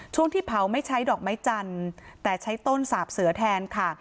ที่เผาไม่ใช้ดอกไม้จันทร์แต่ใช้ต้นสาบเสือแทนค่ะ